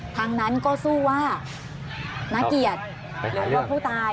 ทางนั้นก็สู้ว่านักเกียรติหรือว่าผู้ตาย